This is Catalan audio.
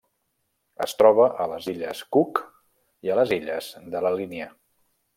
Es troba a les Illes Cook i les Illes de la Línia.